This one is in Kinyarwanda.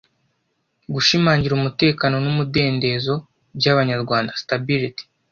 gushimangira umutekano n’umudendezo by’Abanyarwanda (Stability)